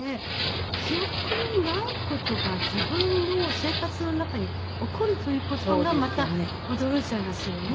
記憶にない事が自分の生活の中に起こるという事がまた驚いちゃいますよね。